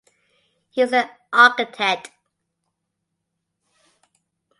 He is an Architect.